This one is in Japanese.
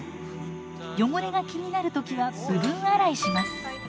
汚れが気になる時は部分洗いします。